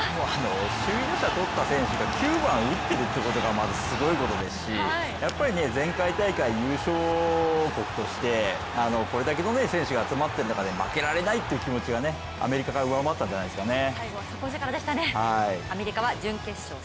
首位打者とった選手が９番打っているということがまずすごいし、やっぱり前回大会優勝国としてこれだけの選手が集まっているんだから負けられないっていう気持ちがアメリカが上回ったんじゃないですかね。